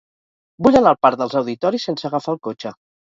Vull anar al parc dels Auditoris sense agafar el cotxe.